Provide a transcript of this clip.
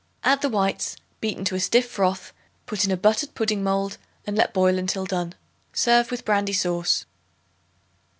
Add the whites, beaten to a stiff froth; put in a buttered pudding mold, and let boil until done. Serve with brandy sauce.